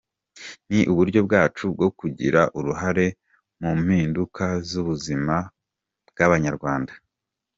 Ni uburyo bwacu bwo kugira uruhare mu mpinduka z’ubuzima bw’Abanyarwanda.